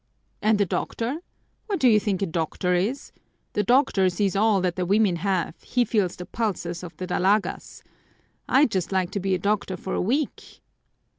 "And the doctor? What do you think a doctor is? The doctor sees all that the women have, he feels the pulses of the dalagas! I'd just like to be a doctor for a week!"